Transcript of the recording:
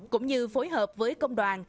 cũng như phối hợp với công đoàn